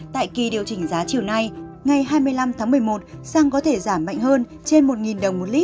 tại kỳ điều chỉnh giá chiều nay ngày hai mươi năm tháng một mươi một xăng có thể giảm mạnh hơn trên một đồng một lít